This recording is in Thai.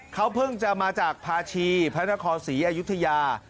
เขาเพิ่งจะมาจากภาชีพีพระนครศรีอยุธยา